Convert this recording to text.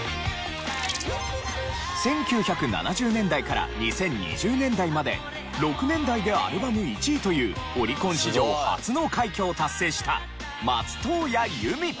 １９７０年代から２０２０年代まで６年代でアルバム１位というオリコン史上初の快挙を達成した松任谷由実。